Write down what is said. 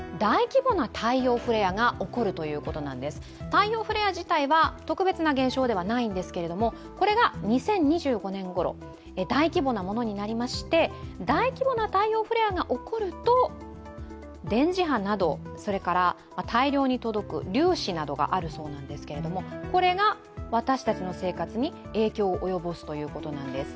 太陽フレア自体は特別な現象ではないんですけれどもこれが２０２５年ごろ大規模なものになりまして大規模な太陽フレアが起こると、電磁波など、それから大量に届く粒子などがあるそうなんですけどこれが私たちの生活に影響を及ぼすということなんです。